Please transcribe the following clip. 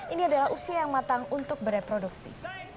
ini adalah usia yang matang untuk bereproduksi